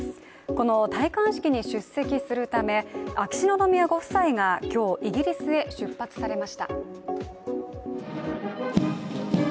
この戴冠式に出席するため秋篠宮ご夫妻が今日、イギリスへ出発されました。